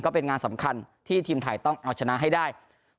เป็นงานสำคัญที่ทีมไทยต้องเอาชนะให้ได้